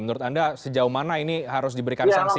menurut anda sejauh mana ini harus diberikan sanksi